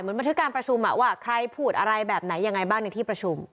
บันทึกการประชุมว่าใครพูดอะไรแบบไหนยังไงบ้างในที่ประชุม